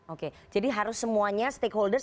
oke jadi harus semuanya stakeholders